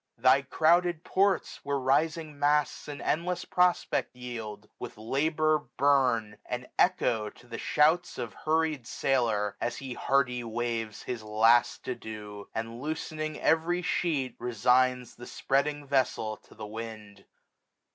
Thy crowded ports. Where rising masts an endless prospect yield j 1461 With labour burn ; and echo to the shouts Of hurried sailor, as he hearty waves His last adieu ; and loosening every sheet. Resigns the spreading vessel to the wind.